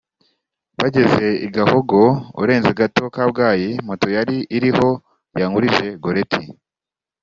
Bageze i Gahogo (urenze gato i Kabgayi) moto yari iriho Yankurije Goretti